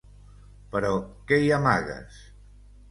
Però què hi amagues?